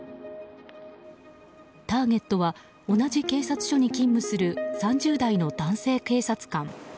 ターゲットは同じ警察署に勤務する３０代の男性警察官。